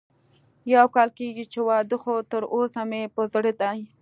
يو کال کېږي چې واده خو تر اوسه مې په زړه ده